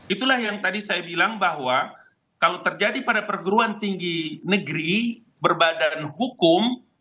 itulah yang tadi saya bilang bahwa kalau terjadi pada perguruan tinggi negeri berbadan hukum